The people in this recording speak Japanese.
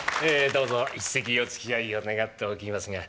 どうぞ一席おつきあいを願っておきますが。